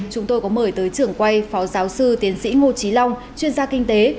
chúng tôi có mời tới trưởng quay phó giáo sư tiến sĩ ngô trí long chuyên gia kinh tế